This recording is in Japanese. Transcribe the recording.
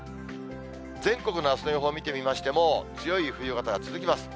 全国のあすの予報、見てみましても、強い冬型が続きます。